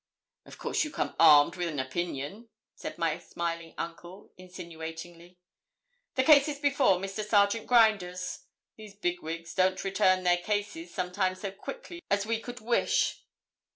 'Of course you come armed with an opinion?' said my smiling uncle, insinuatingly. 'The case is before Mr. Serjeant Grinders. These bigwigs don't return their cases sometimes so quickly as we could wish.'